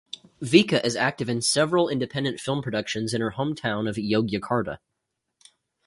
Vika is active in several independent film productions in her hometown of Yogyakarta.